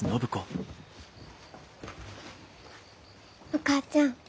お母ちゃん